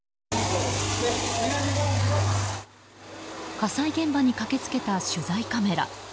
火災現場に駆け付けた取材カメラ。